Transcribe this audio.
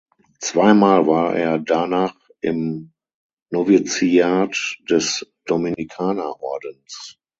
Zweimal war er danach im Noviziat des Dominikanerordens.